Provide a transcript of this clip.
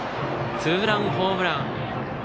ツーランホームラン。